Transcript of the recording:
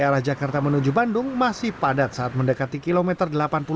arah jakarta menuju bandung masih padat saat mendekati kilometer delapan puluh tujuh